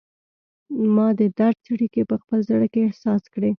ما د درد څړیکې په خپل زړه کې احساس کړي